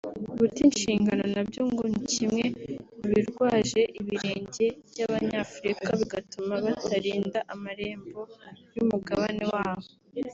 ‘Guta inshingano’ na byo ngo ni kimwe mubirwaje ibirenge by’abanyafurika bigatuma batarinda amarembo y’umugabane wabo